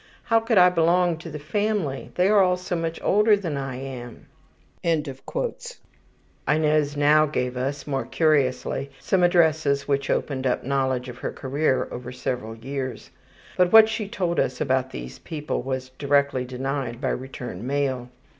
How could I belong to the family? They are all so much older than I am.'' Inez now gave us, most curiously, some addresses which opened up knowledge of her career over several years. But what she told us about these new people was directly denied by return mail.